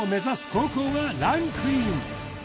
高校がランクイン！